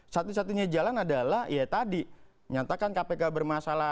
satu satunya jalan adalah ya tadi nyatakan kpk bermasalah